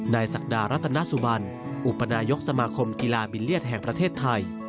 ศักดารัตนสุบันอุปนายกสมาคมกีฬาบิลเลียสแห่งประเทศไทย